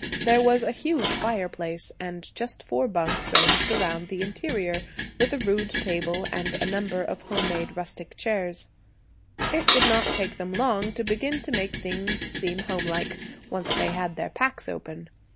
There was a huge fireplace, and just four bunks ranged around the interior, with a rude table, and a number of home made rustic chairs. It did not take them long to begin to make things seem homelike, once they had their packs open.